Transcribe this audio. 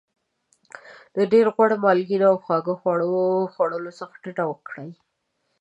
د ډېر غوړ مالګېنه او خواږه خوراکونو خواړو څخه ډاډه وکړئ.